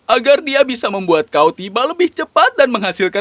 agar dia bisa membuat kau tiba lebih cepat dan menghasilkan